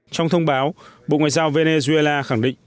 trong thông báo bộ ngoại giao venezuela khẳng định